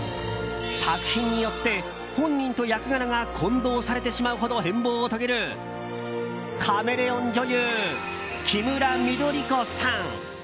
作品によって本人と役柄が混同されてしまうほど変貌を遂げるカメレオン女優・キムラ緑子さん。